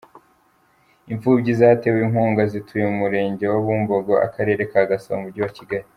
Imfubyi zatewe inkunga zituye mu Murenge wa Bumbogo, akarere ka Gasabo, Umujyi wa Kigali.